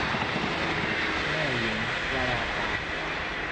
แม่หญิง - วราภา